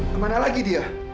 kemana lagi dia